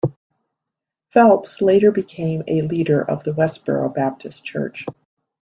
Phelps later became leader of the Westboro Baptist Church.